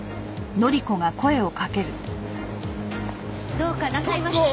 どうかなさいましたか？